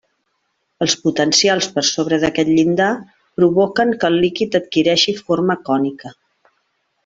Els potencials per sobre d'aquest llindar, provoquen que el líquid adquireixi forma cònica.